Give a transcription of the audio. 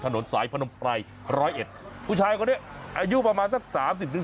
ถนนสายพนมไพรร้อยเอ็ดผู้ชายคนนี้อายุประมาณสักสามสิบถึง